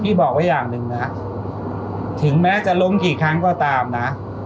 บอกไว้อย่างหนึ่งนะถึงแม้จะล้มกี่ครั้งก็ตามนะ